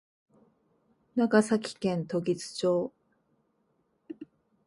長崎県時津町